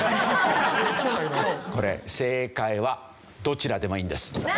これ正解はどちらでもいいんです。なあ！